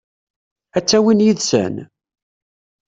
Ad t-awin yid-sen?